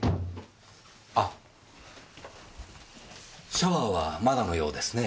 シャワーはまだのようですね？